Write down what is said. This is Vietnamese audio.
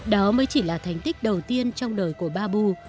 đó mới chỉ là thành tích đầu tiên trong đời của babu